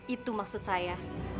itu maksud saya